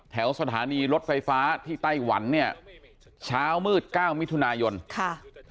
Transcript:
แถวสถานีรถไฟฟ้าที่ไต้หวันเนี่ยเช้ามืดเก้ามิถุนายนค่ะ